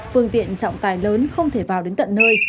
phương tiện trọng tài lớn không thể vào đến tận nơi